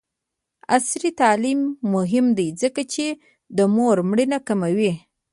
عصري تعلیم مهم دی ځکه چې د مور مړینه کموي.